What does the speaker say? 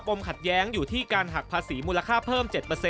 มขัดแย้งอยู่ที่การหักภาษีมูลค่าเพิ่ม๗